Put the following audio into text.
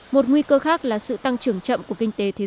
một nguy cơ khác là sự tăng trưởng chậm của kinh tế thế giới